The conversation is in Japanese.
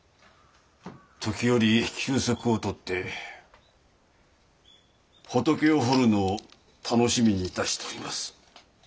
時折休息を取って仏を彫るのを楽しみに致しております。